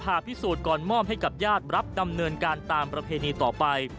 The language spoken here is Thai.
พิสูจน์ก่อนมอบให้กับญาติรับดำเนินการตามประเพณีต่อไป